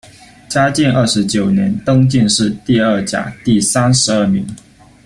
嘉靖二十九年，登进士第二甲第三十二名。